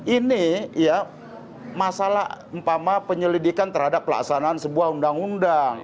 ini ya masalah empama penyelidikan terhadap pelaksanaan sebuah undang undang